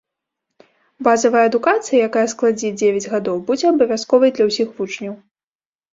Базавая адукацыя, якая складзе дзевяць гадоў, будзе абавязковай для ўсіх вучняў.